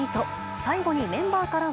最後に、メンバーからは。